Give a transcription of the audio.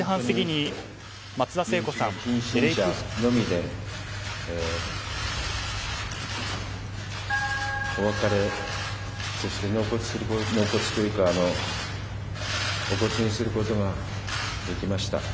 近親者のみで、お別れそして納骨というかお骨にすることができました。